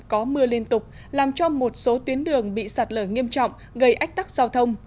có mưa liên tục làm cho một số tuyến đường bị sạt lở nghiêm trọng gây ách tắc giao thông